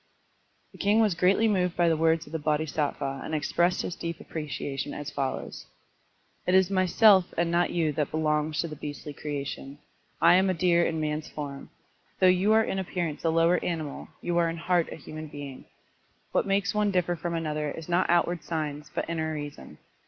The Mng was greatly moved by the words of the Bodhisattva and expressed his deep appre ciation as follows :" It is myself and not you that belongs to the beastly creation. I am a deer in a man's form. Though you are in appearance a lower animal, you are in heart a human being. What makes one differ from another is not out ward signs but inner reason.